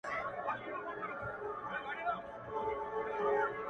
چي په تا یې رنګول زاړه بوټونه.!